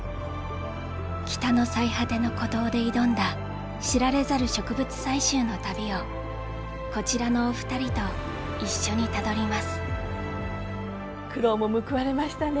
北の最果ての孤島で挑んだ知られざる植物採集の旅をこちらのお二人と一緒にたどります苦労も報われましたね！